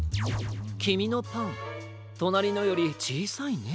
きみのパンとなりのよりちいさいね。